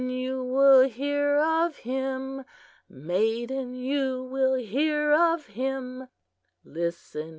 you will hear of him Maiden, you will hear of him Listen!